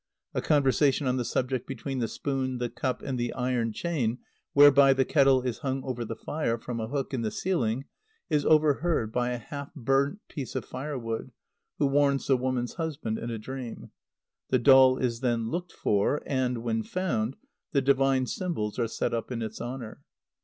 A conversation on the subject between the spoon, the cup, and the iron chain whereby the kettle is hung over the fire from a hook in the ceiling, is overheard by a half burnt piece of firewood, who warns the woman's husband in a dream. The doll is then looked for; and, when found, the divine symbols are set up in its honour.